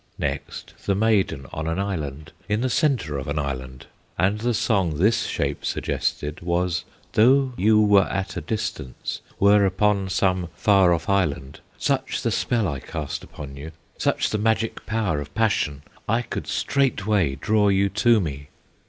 Next the maiden on an island, In the centre of an Island; And the song this shape suggested Was, "Though you were at a distance, Were upon some far off island, Such the spell I cast upon you, Such the magic power of passion, I could straightway draw you to me!"